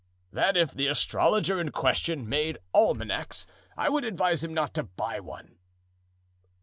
"That if the astrologer in question made almanacs I would advise him not to buy one."